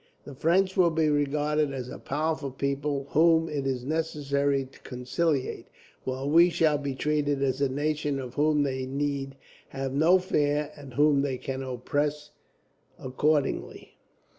The French will be regarded as a powerful people, whom it is necessary to conciliate, while we shall be treated as a nation of whom they need have no fear, and whom they can oppress accordingly.